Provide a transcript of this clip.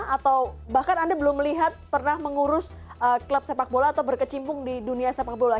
atau bahkan anda belum melihat pernah mengurus klub sepak bola atau berkecimpung di dunia sepak bola